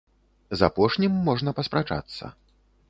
З апошнім можна паспрачацца.